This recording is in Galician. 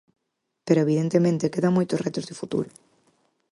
Pero, evidentemente, quedan moitos retos de futuro.